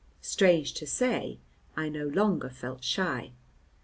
Strange to say, I no longer felt shy.